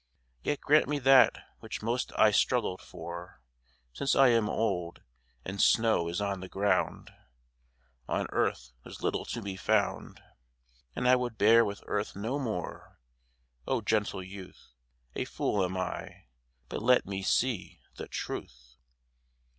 Yet grant me that which most I struggled for, Since I am old, and snow is on the ground. On earth there's little to be found, And I would bear with earth no more. O gentle youth, A fool am I, but let me see the Truth!